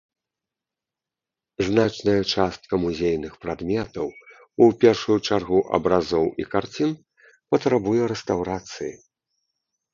Значная частка музейных прадметаў, у першую чаргу абразоў і карцін, патрабуе рэстаўрацыі.